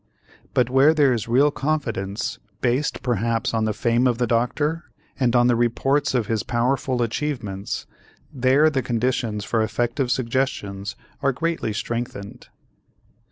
But where there is real confidence, based perhaps on the fame of the doctor and on the reports of his powerful achievements, there the conditions for effective suggestions are greatly strengthened.